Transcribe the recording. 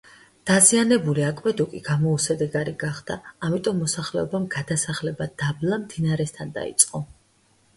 დაზიანებული აკვედუკი გამოუსადეგარი გახდა, ამიტომ მოსახლეობამ გადასახლება დაბლა, მდინარესთან დაიწყო.